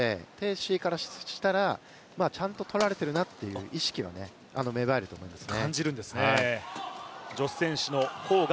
思緯からしたらちゃんと取られてるなっていう意識は芽生えると思いますね。